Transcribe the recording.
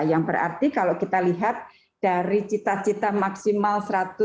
yang berarti kalau kita lihat dari cita cita maksimal